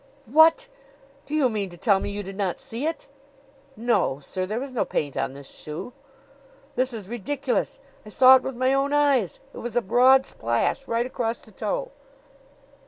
"What! Do you mean to tell me you did not see it?" "No, sir; there was no paint on this shoe." "This is ridiculous. I saw it with my own eyes. It was a broad splash right across the toe."